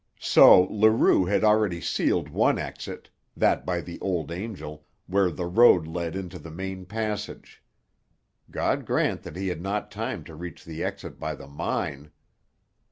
So Leroux had already sealed one exit that by the Old Angel, where the road led into the main passage. God grant that he had not time to reach the exit by the mine!